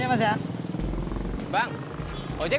terima kasih mas ya